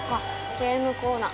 ゲームコーナー。